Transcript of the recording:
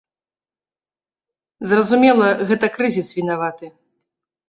Зразумела, гэта крызіс вінаваты.